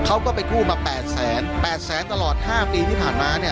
เขาก็ไปกู้มา๘แสน๘แสนตลอด๕ปีที่ผ่านมาเนี่ย